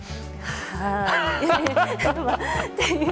はい。